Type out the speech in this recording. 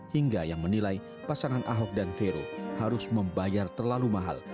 hingga yang menilai pasangan ahok dan vero harus membayar terlalu mahal